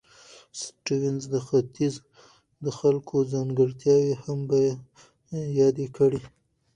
سټيونز د ختیځ د خلکو ځانګړتیاوې هم یادې کړې.